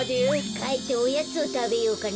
かえっておやつをたべようかな。